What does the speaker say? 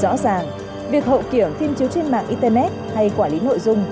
rõ ràng việc hậu kiểm phim chiếu trên mạng internet hay quản lý nội dung